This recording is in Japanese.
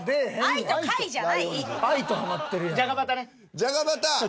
じゃがバター。